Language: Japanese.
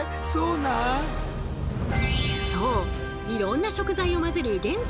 そう！